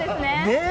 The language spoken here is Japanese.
ねえ。